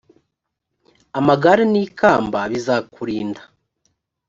amagare n ikamba bizakurinda